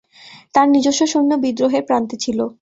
তার নিজস্ব সৈন্য বিদ্রোহের প্রান্তে ছিল।